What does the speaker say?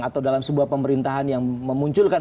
atau dalam sebuah pemerintahan yang memunculkan